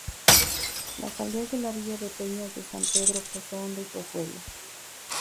Las aldeas de la villa de Peñas de San Pedro: Pozo-Hondo y Pozuelo.